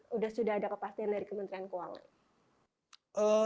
sudah sudah ada kepastian dari kementerian keuangan